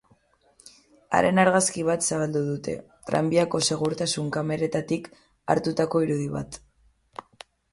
Haren argazki bat zabaldu dute, tranbiako segurtasun kameretatik hartutako irudi bat.